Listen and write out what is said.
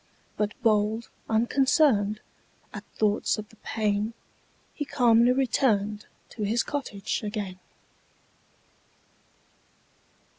But bold, unconcern'd At thoughts of the pain, He calmly return'd To his cottage again.